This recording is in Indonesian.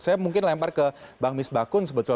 saya mungkin lempar ke bang misbakun sebetulnya